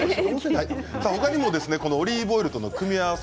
他にもオリーブオイルとの組み合わせ